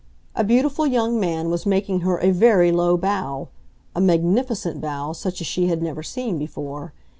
A beautiful young man was making her a very low bow—a magnificent bow, such as she had never seen before.